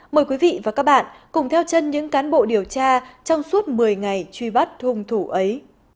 mời quý vị và các bạn cùng theo chân những cán bộ điều tra trong suốt một mươi ngày truy bắt hung thủ ấy